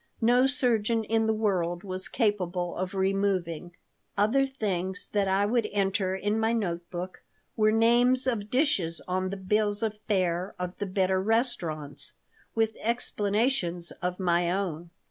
no surgeon in the world was capable of removing Other things that I would enter in my note book were names of dishes on the bills of fare of the better restaurants, with explanations of my own.